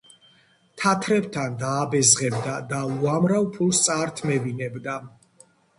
თათრებთან დააბეზღებდა და უამრავ ფულს წაართმევინებდა.